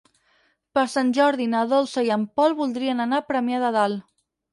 Per Sant Jordi na Dolça i en Pol voldrien anar a Premià de Dalt.